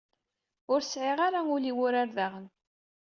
Ur sɛiɣ ara ul i wurar daɣen.